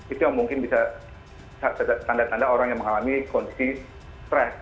itu yang mungkin bisa tanda tanda orang yang mengalami kondisi stres